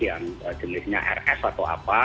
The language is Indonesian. yang jenisnya rs atau apa